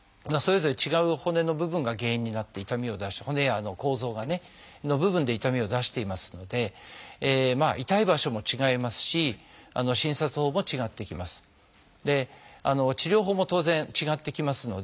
それぞれ違う骨の部分が原因になって痛みを出し骨や構造がねの部分で痛みを出していますので痛い場所も違いますし診察法も違ってきます。